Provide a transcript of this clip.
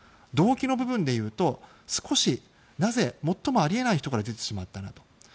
動機の部分でいうと、なぜ最もあり得ない人から出てしまったなと。